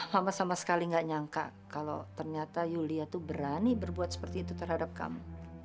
lama sama sekali nggak nyangka kalau ternyata yulia itu berani berbuat seperti itu terhadap kamu